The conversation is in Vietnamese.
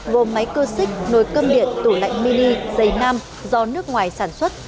gồm máy cơ xích nồi cơm điện tủ lạnh mini dây nam do nước ngoài sản xuất